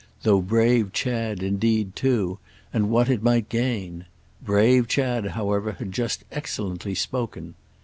—though brave Chad indeed too, and what it might gain! Brave Chad however had just excellently spoken.